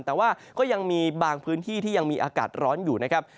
แต่ว่าก็ยังมีบางพื้นที่ที่ยังมีอากาศร้อนอยู่นะครับ